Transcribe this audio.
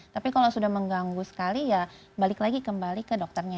tapi kalau sudah mengganggu sekali ya balik lagi kembali ke dokternya